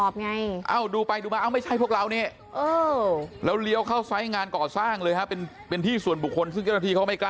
เข้าไม่ได้เดี๋ยวโดนบุกรุก